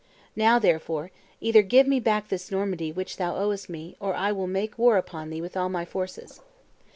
Now, therefore, either give me back this Normandy which thou owest me, or I will make war upon thee with all my forces."